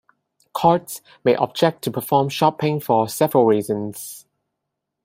Courts may object to forum shopping for several reasons.